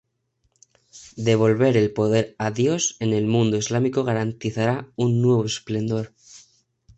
Devolver el poder a Dios en el mundo islámico garantizará un nuevo esplendor.